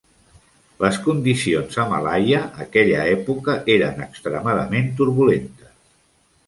Les condicions a Malaia aquella època eren extremadament turbulentes.